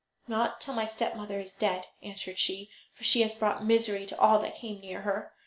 "Not till my stepmother is dead," answered she, "for she has brought misery to all that came near her."